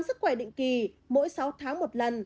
sức khỏe định kỳ mỗi sáu tháng một lần